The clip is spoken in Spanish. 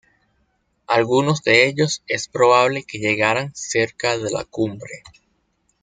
Algunos de ellos es probable que llegaran cerca de la cumbre.